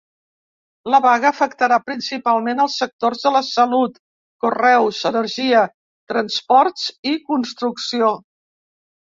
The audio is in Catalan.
La vaga afectarà principalment els sectors de la salut, correus, energia, transports i construcció.